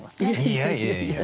いやいやいや。